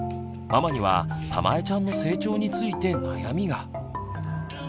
ママにはたまえちゃんの成長について悩みが。